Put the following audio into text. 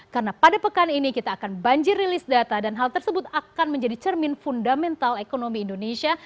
karena pada pekan ini kita akan banjir rilis data dan hal tersebut akan menjadi cermin fundamental ekonomi indonesia